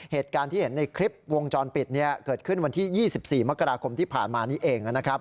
เหตุการณ์ที่เห็นในคลิปวงจรปิดเกิดขึ้นวันที่๒๔มกราคมที่ผ่านมานี้เองนะครับ